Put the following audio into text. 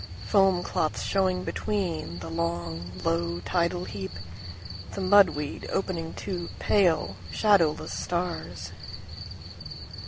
Foam clots showing betweenThe long, low tidal heap, The mud weed opening two pale, shadowless stars.